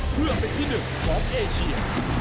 เพื่อเป็นที่หนึ่งของเอเชีย